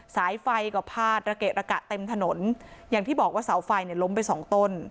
สายไฟก็พาดระเกะระกะเต็มถนนอย่างที่บอกว่าเสาไฟเนี่ยล้มไปสองต้น